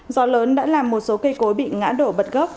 gió lớn đã làm một số cây cối bị ngã đổ bật gốc